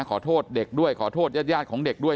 ขอโทษเด็กด้วยขอโทษญาติของเด็กด้วย